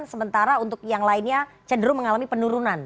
sementara untuk yang lainnya cenderung mengalami penurunan